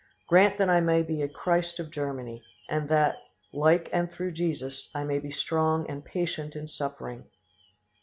Grant that I may be a Christ of Germany, and that, like and through Jesus, I may be strong and patient in suffering."